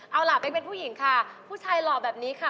เอาล่ะเป๊กเป็นผู้หญิงค่ะผู้ชายหล่อแบบนี้ค่ะ